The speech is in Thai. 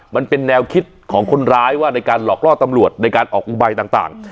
มันเป็นแนวคิดของคนร้ายว่าในการหลอกล่อตำรวจในการออกอุบายต่าง